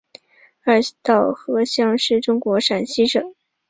二道河乡是中国陕西省汉中市勉县下辖的一个乡。